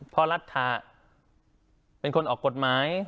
เพราะรัฐเป็นคนออกกฎหมาย